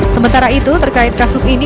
sementara itu terkait kasus ini